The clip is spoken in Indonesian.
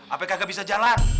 apakah gak bisa jalan